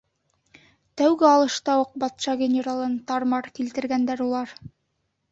Тәүге алышта уҡ батша генералын тар-мар килтергәндәр улар.